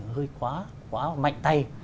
hơi quá mạnh tay